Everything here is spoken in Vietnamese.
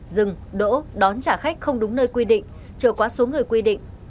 dừng đỗ đón trả khách không đúng nơi quy định trở quá số người quy định